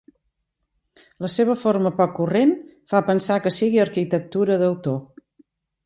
La seva forma poc corrent fa pensar que sigui arquitectura d'autor.